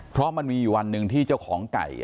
เพราะมันมีอยู่วันหนึ่งที่เจ้าของไก่